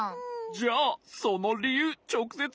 じゃあそのりゆうちょくせつ